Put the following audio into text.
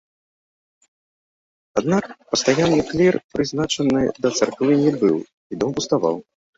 Аднак пастаянны клір прызначаны да царквы не быў, і дом пуставаў.